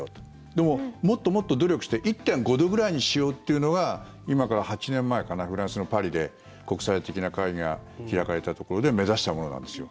でも、もっともっと努力して１．５度ぐらいにしようというのが今から８年前かなフランスのパリで国際的な会議が開かれたところで目指したものなんですよ。